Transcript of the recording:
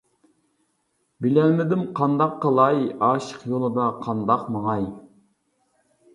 بىلەلمىدىم قانداق قىلاي، ئاشىق يولدا قانداق ماڭاي.